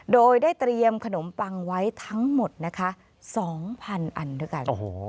โดยได้เตรียมขนมปังไว้ทั้งหมดนะคะ๒๐๐๐อันด้วยกัน